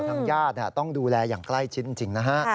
ทางญาติต้องดูแลอย่างใกล้ชิดจริงนะฮะ